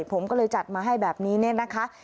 ผมก็เลยจัดมาให้แบบนี้เนี่ยนะคะ